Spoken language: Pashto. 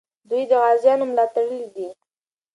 دوی د غازیانو ملا تړلې ده.